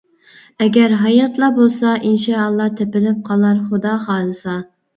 ئەگەر ھاياتلا بولسا، ئىنشائاللا تېپىلىپ قالار خۇدا خالىسا.